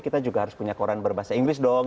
kita juga harus punya koran berbahasa inggris dong